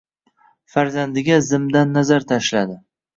Farzandiga zimdan nazar tashladi.